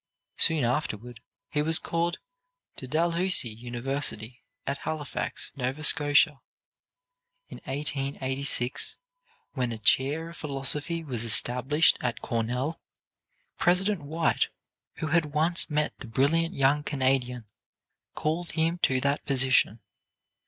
Soon afterward, he was called to Dalhousie University, at Halifax, Nova Scotia. In 1886, when a chair of philosophy was established at Cornell, President White, who had once met the brilliant young Canadian, called him to that position.